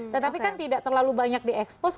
tetapi kan tidak terlalu banyak di expose